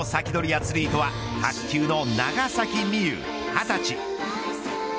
アツリートは卓球の長崎美柚、２０歳。